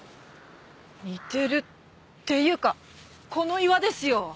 似てるっていうかこの岩ですよ！